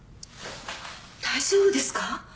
大丈夫ですか？